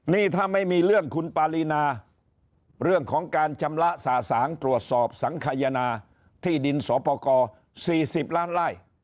นี่ถ้าไม่มีเรื่องคุณปารีนาเรื่องของการชำระสะสางตรวจสอบสังขยนาที่ดินสอปกร๔๐ล้านไล่